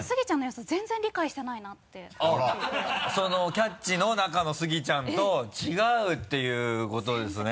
「キャッチ！」の中のスギちゃんと違うっていうことですね。